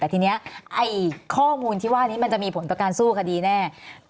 แต่ทีนี้ไอ้ข้อมูลที่ว่านี้มันจะมีผลต่อการสู้คดีแน่